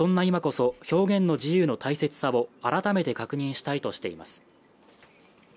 今こそ表現の自由の大切さを改めて確認したいとしています